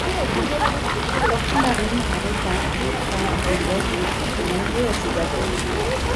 Tortues marines, requins, dauphins et oiseaux sont nombreux à ses abords.